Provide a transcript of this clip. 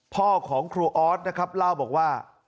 พ่อของครูออสนะครับเล่าบอกว่า